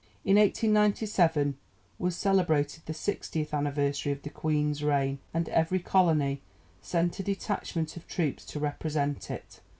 In 1897 was celebrated the sixtieth anniversary of the Queen's reign, and every colony sent a detachment of troops to represent it.